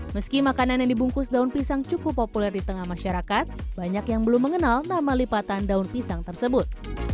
meski makanan yang dibungkus daun pisang cukup populer di tengah masyarakat banyak yang belum mengenal nama lipatan daun pisang tersebut